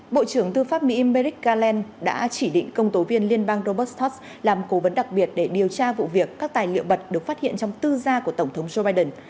bộ trưởng tư pháp mỹ merrick garland đã chỉ định công tố viên liên bang robustos làm cố vấn đặc biệt để điều tra vụ việc các tài liệu mật được phát hiện trong tư gia của tổng thống joe biden